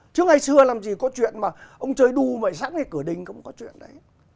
chứ ngày xưa làm gì có chuyện mà ông chơi đù mấy sáng ngày cửa đình cũng có chuyện đấy